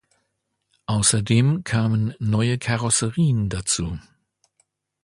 Außerdem kamen neue Karosserien dazu.